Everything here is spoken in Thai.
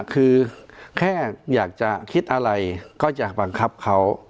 คือแค่อยากจะคิดอะไรก็จะบังคับเขา